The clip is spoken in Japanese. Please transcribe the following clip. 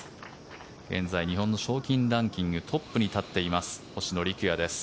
現在、日本の賞金ランキングトップに立っています星野陸也です。